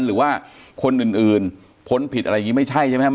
หรือว่าคนอื่นพ้นผิดอะไรอย่างนี้ไม่ใช่ใช่ไหมครับ